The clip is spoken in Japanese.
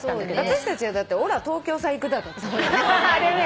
私たちはだって『俺ら東京さ行ぐだ』だったよね。